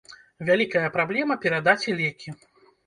Вялікая праблема перадаць і лекі.